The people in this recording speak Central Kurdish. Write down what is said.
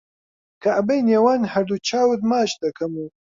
کەعبەی نێوان هەردوو چاوت ماچ دەکەم و